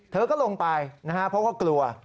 เธอก็ลงไปเพราะกลัว